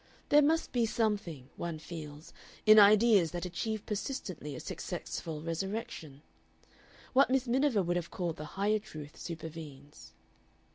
There must be something, one feels, in ideas that achieve persistently a successful resurrection. What Miss Miniver would have called the Higher Truth supervenes.